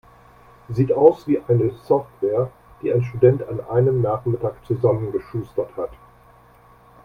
Sieht aus wie eine Software, die ein Student an einem Nachmittag zusammengeschustert hat.